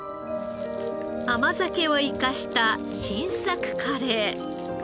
甘酒を生かした新作カレー。